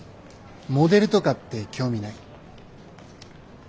モデルとかって興味ない？